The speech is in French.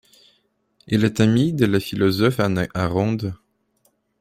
Il est ami de la philosophe Hannah Arendt.